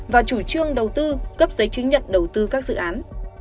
và chủ trương đầu tư cấp giấy chứng nhận đầu tư các dự án